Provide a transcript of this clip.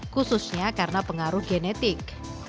khususnya karena pengaruh genetik